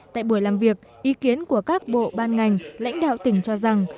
tại buổi làm việc ý kiến của các bộ ban ngành lãnh đạo tỉnh cho rằng